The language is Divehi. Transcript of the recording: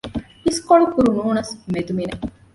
އިސްކޮޅު ކުރުނޫނަސް މެދުމިނެއް